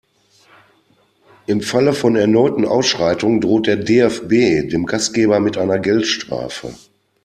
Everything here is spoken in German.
Im Falle von erneuten Ausschreitungen droht der DFB dem Gastgeber mit einer Geldstrafe.